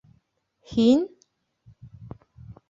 Һин?